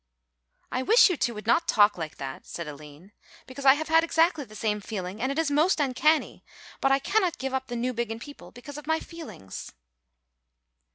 "I wish you two would not talk like that," said Aline, "because I have had exactly the same feeling and it is most uncanny; but I cannot give up the Newbiggin people because of my feelings."